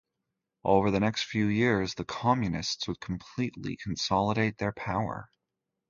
Over the next few years, the Communists would completely consolidate their power.